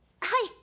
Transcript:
はい！